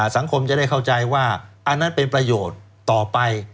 สังคมจะได้เข้าใจว่าอันนั้นเป็นประโยชน์ต่อไป